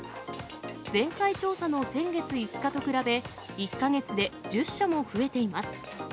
前回調査の先月５日と比べ、１か月で１０社も増えています。